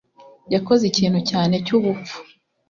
yakoze ikintu cyane, cyubupfu.